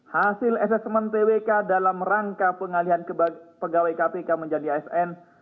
hasil asesmen twk dalam rangka pengalihan pegawai kpk menjadi asn